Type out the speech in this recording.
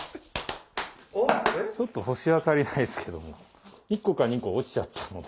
ちょっと星は足りないですけども１個か２個落ちちゃったので。